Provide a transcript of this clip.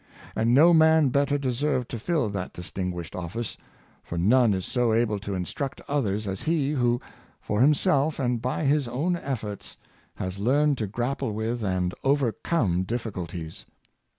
And no man better deserved to fill that distinguished office; for none is so able to instruct others as he who, for himself and by his own efforts, has learned to grapple with and overcome difficulties.